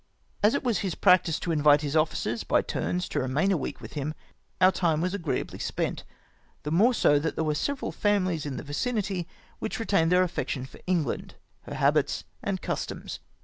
As it was his practice to invite his officers by tm^ns to remain a week with him, our time was agreeably spent, the more so that there were several famihes in the vicinity which retained their affection for England, her habits, and customs.